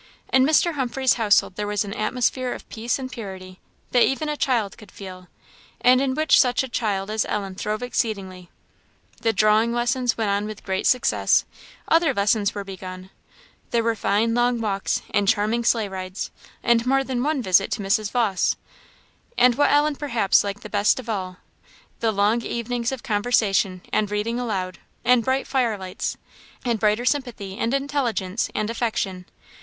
In Mr. Humphreys' household there was an atmosphere of peace and purity, that even a child could feel, and in which such a child as Ellen throve exceedingly. The drawing lessons went on with great success; other lessons were begun; there were fine, long walks, and charming sleigh rides, and more than one visit to Mrs. Vawse; and what Ellen, perhaps, liked the best of all, the long evenings of conversation, and reading aloud, and bright fire lights, and brighter sympathy, and intelligence, and affection.